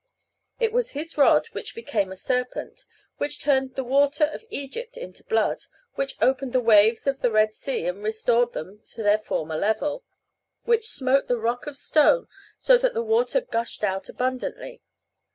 It was his rod which became a serpent, which turned the water of Egypt into blood, which opened the waves of the Red Sea and restored them to their former level, which "smote the rock of stone so that the water gushed out abundantly."